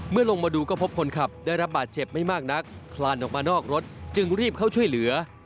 ลงมาดูก็พบคนขับได้รับบาดเจ็บไม่มากนักคลานออกมานอกรถจึงรีบเข้าช่วยเหลือ